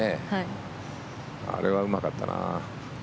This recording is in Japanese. あれはうまかったな。